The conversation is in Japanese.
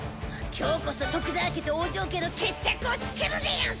今日こそ徳沢家と王城家の決着をつけるでヤンス！